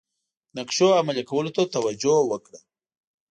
نقشو عملي کولو ته توجه وکړه.